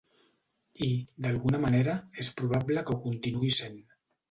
I, d'alguna manera, és probable que ho continuï sent.